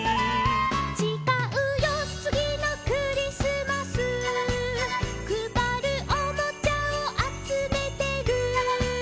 「ちがうよつぎのクリスマス」「くばるおもちゃをあつめてる」